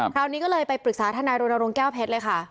คราวนี้ก็เลยไปปรึกษาทนายรณรงค์แก้วเพชรเลยค่ะ